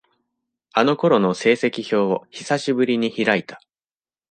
あの頃の成績表を、久しぶりに開いた。